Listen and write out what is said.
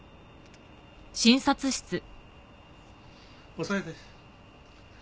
押さえて。